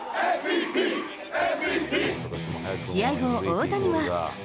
試合後、大谷は。